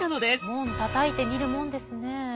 門たたいてみるもんですね。